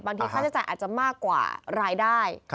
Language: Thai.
ค่าใช้จ่ายอาจจะมากกว่ารายได้